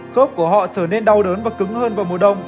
khốp của họ trở nên đau đớn và cứng hơn vào mùa đông